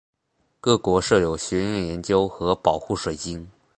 各国设有学院研究和保护水晶。